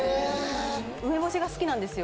梅干しが好きなんですよ